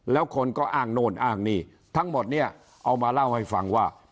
แล้วคนก็อ้างโน่นอ้างนี่ทั้งหมดเนี่ยเอามาเล่าให้ฟังว่า